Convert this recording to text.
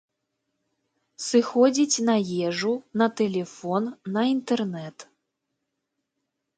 Сыходзіць на ежу, на тэлефон, на інтэрнэт.